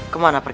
kau akan menang